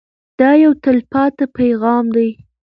دا یو تلپاتې پیغام دی.